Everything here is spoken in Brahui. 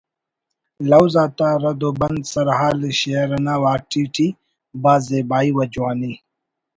لوز آتا ردو بند سر حال ءِ شئیر انا ہاٹی ٹی بھاز زیبائی و جوانی